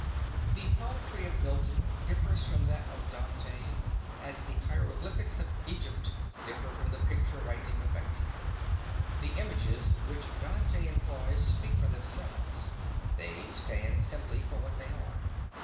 "The poetry of Milton differs from that of Dante as the hieroglyphics of Egypt differ from the picture writing of Mexico. The images which Dante employs speak for themselves; they stand simply for what they are.